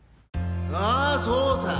ああそうさ。